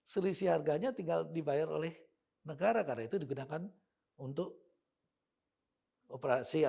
selisih harganya tinggal dibayar oleh negara karena itu digunakan untuk operasi